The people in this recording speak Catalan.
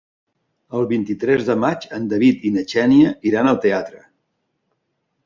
El vint-i-tres de maig en David i na Xènia iran al teatre.